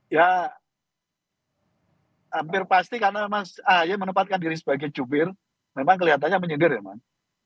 ya hampir pasti karena mas ahy menempatkan diri sebagai jubir memang kelihatannya menyeger ya mas